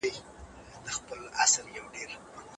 تاسي د خپلو طبيعي منابعو ساتنه وکړئ.